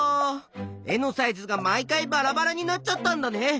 絵のサイズが毎回バラバラになっちゃったんだね。